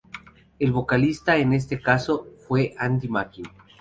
El vocalista en este caso fue Andy Makin.